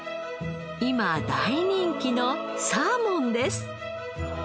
今大人気のサーモンです。